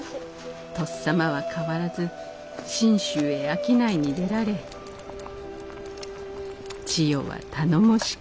「とっさまは変わらず信州へ商いに出られ千代は頼もしく」。